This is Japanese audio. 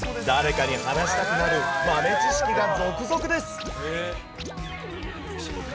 誰かに話したくなる豆知識が続々です。